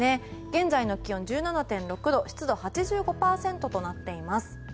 現在の気温、１７．６度湿度は８５％となっています。